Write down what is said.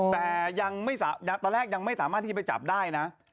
แต่ตอนแรกยังไม่สามารถที่จะไปจับได้นะ